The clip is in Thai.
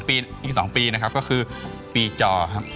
อีก๒ปีนะครับก็คือปีจอครับ